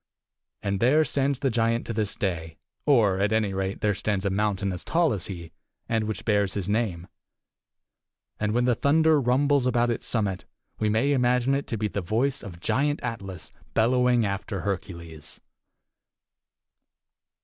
And there stands the giant to this day, or, at any rate, there stands a mountain as tall as he, and which bears his name; and when the thunder rumbles about its summit we may imagine it to be the voice of Giant Atlas bellowing after Hercules.